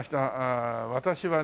あ私はね。